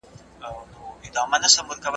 زه اجازه لرم چي مړۍ وخورم.